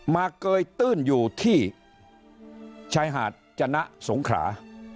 เกยตื้นอยู่ที่ชายหาดจนะสงขรา